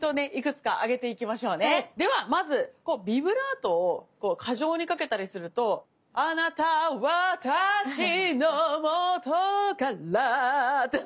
ではまずこうビブラートを過剰にかけたりするとあなた、わたしのもとからァって。